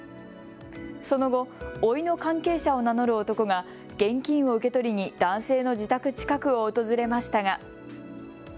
その後、おいの関係者を名乗る男が現金を受け取りに男性の自宅近くを訪れましたが。